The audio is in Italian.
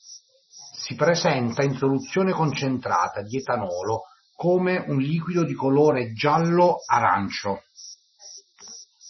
Si presenta in soluzione concentrata di etanolo come un liquido di colore giallo-arancio.